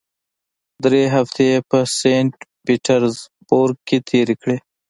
درې هفتې یې په سینټ پیټرزبورګ کې تېرې کړې.